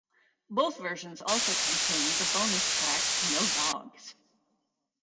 Both versions also contained the bonus track "No Dogs".